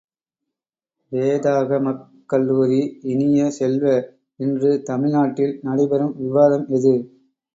வேதாகமக் கல்லுரி இனிய செல்வ, இன்று தமிழ் நாட்டில் நடைபெறும் விவாதம் எது?